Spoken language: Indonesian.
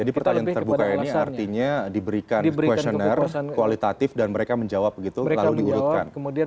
jadi pertanyaan terbuka ini artinya diberikan questionnaire kualitatif dan mereka menjawab begitu lalu diurutkan